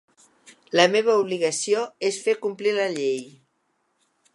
La meva obligació és fer complir la llei.